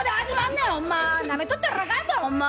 なめとったらあかんでほんま。